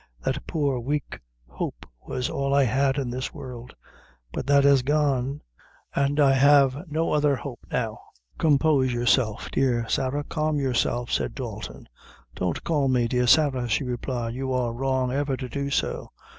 That poor, weak hope was all I had in this world; but that is gone; and I have no other hope now." "Compose yourself, dear Sarah; calm yourself," said Dalton. "Don't call me dear Sarah," she replied; "you were wrong ever to do so.